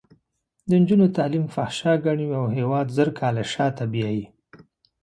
د نجونو تعلیم فحشا ګڼي او هېواد زر کاله شاته بیایي.